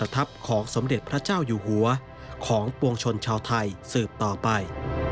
ต่อไป